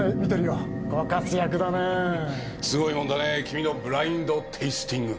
すごいもんだねぇ君のブラインド・テイスティング。